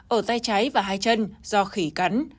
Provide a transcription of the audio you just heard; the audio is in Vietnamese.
ở tay trái và hai chân do khỉ cắn